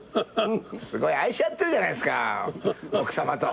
すごい愛し合ってるじゃないですか奥さまと。